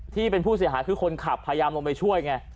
ที่เป็นผู้เสียหายคือคนขับพยายามลงไปช่วยไง